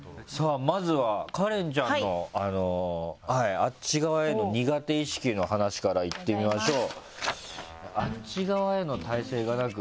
まずはカレンちゃんのあっち側への苦手意識の話からいってみましょう。